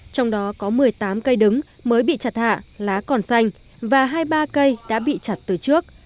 trong đó có một mươi tám cây đứng mới bị chặt hạ lá còn xanh và hai mươi ba cây đã bị chặt từ trước